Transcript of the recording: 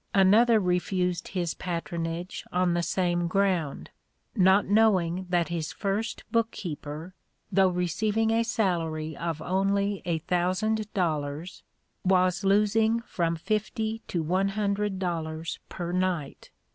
Another refused his patronage on the same ground, not knowing that his first book keeper, though receiving a salary of only a thousand dollars, was losing from fifty to one hundred dollars per night.